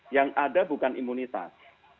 yang ada bukan imunitas